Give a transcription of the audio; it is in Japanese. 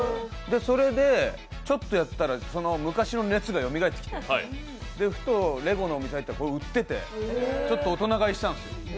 それでちょっとやったら昔の熱がよみがえってきてふとレゴのお店に入ったらこれが売ってて大人買いしちゃったんです。